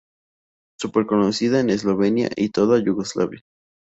Super conocida en Eslovenia y toda Yugoslavia.